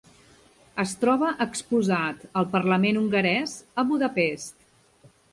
Es troba exposat al parlament hongarès, a Budapest.